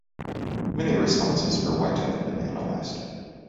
Many responses for White have been analysed.